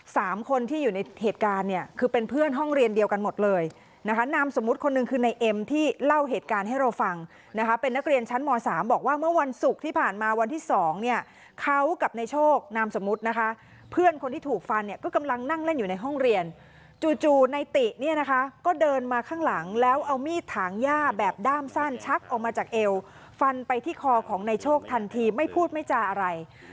สามคนที่อยู่ในเหตุการณ์เนี่ยคือเป็นเพื่อนห้องเรียนเดียวกันหมดเลยนะคะน้ำสมมติคนหนึ่งคือในเอ็มที่เล่าเหตุการณ์ให้เราฟังนะคะเป็นนักเรียนชั้นม๓บอกว่าเมื่อวันศุกร์ที่ผ่านมาวันที่สองเนี่ยเขากับในโชคน้ำสมมตินะคะเพื่อนคนที่ถูกฟันเนี่ยก็กำลังนั่งเล่นอยู่ในห้องเรียนจู่ในติเนี่ยนะคะก็เดินมาข้างหลั